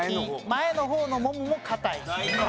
前の方のももも硬い。